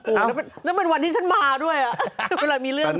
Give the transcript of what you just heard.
นั่นเป็นวันที่ฉันมาด้วยเวลามีเรื่อง